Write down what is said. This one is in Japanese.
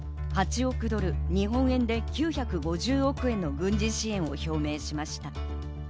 ８億ドル、日本円で９５０億円の軍事支援を表明しました。